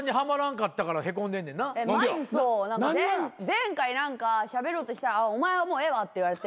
前回何かしゃべろうとしたらお前はもうええわって言われて。